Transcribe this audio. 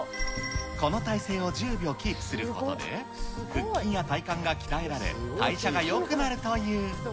この体勢を１０秒キープすることで、腹筋や体幹が鍛えられ、代謝がよくなるという。